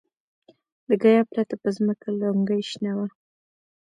د ګیاه پرته په ځمکه لونګۍ شنه وه.